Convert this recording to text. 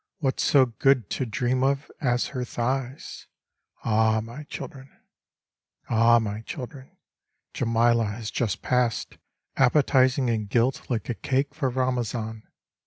What so good to dream of as her thighs ? Ah I my children I Ah I my children 1 Djemileh has just passed Appetising and gilt like a cake for Ramazan.